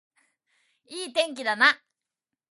いい天気だな